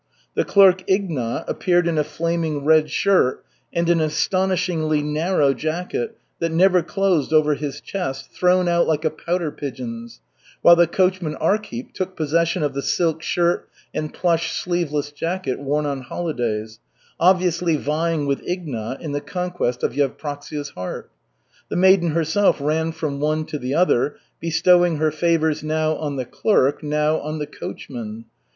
The clerk Ignat appeared in a flaming red shirt and an astonishingly narrow jacket, that never closed over his chest, thrown out like a pouter pigeon's, while the coachman Arkhip took possession of the silk shirt and plush sleeveless jacket worn on holidays, obviously vying with Ignat in the conquest of Yevpraksia's heart. The maiden herself ran from one to the other, bestowing her favors now on the clerk, now on the coachman.